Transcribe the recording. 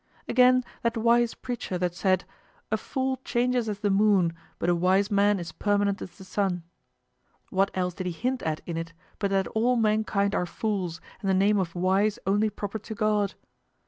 Again, that wise preacher that said, "A fool changes as the moon, but a wise man is permanent as the sun," what else did he hint at in it but that all mankind are fools and the name of wise only proper to God?